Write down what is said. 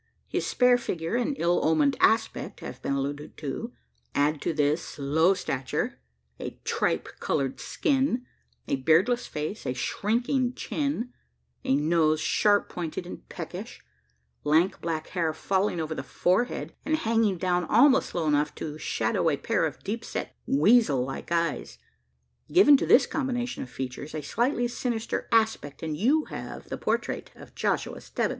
His spare figure and ill omened aspect have been alluded to. Add to this, low stature, a tripe coloured skin, a beardless face, a shrinking chin, a nose sharp pointed and peckish, lank black hair falling over the forehead, and hanging down almost low enough to shadow a pair of deep set weazel like eyes: give to this combination of features a slightly sinister aspect, and you have the portrait of Joshua Stebbins.